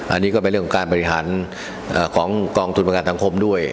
อันนี้ก็เป็นเรื่องของการบริหารของกองทุนประกันสังคมด้วย